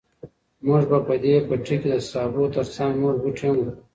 موږ به په دې پټي کې د سابو تر څنګ نور بوټي هم وکرو.